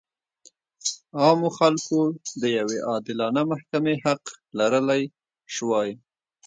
عامو خلکو د یوې عادلانه محکمې حق لرلی شوای.